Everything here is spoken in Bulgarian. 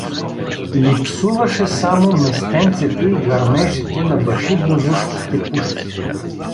Липсуваше само местенцето и гърмежите на башибозушките пушки!